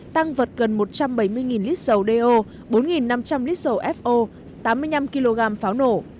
tăng vật gần một trăm bảy mươi lít dầu do bốn năm trăm linh lít dầu fo tám mươi năm kg pháo nổ